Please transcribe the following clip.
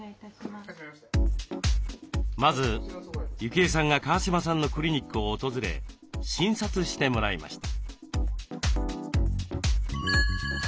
まず幸枝さんが川嶋さんのクリニックを訪れ診察してもらいました。